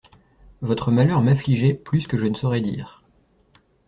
Votre malheur m'affligeait plus que je ne saurais dire.